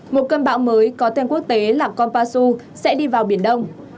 một cơn bão mới có tên quốc tế là conpasu sẽ đi vào biển đông